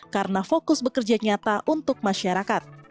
karena fokus bekerja nyata untuk masyarakat